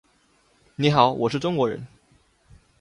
你好，我是中国人。